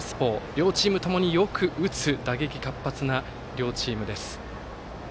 両チームともに、よく打つ打撃活発な両チームです。